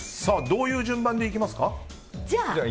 どういう順番で行きますか？